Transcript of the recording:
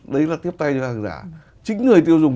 đấy là tiếp tay cho hàng giả chính người tiêu dùng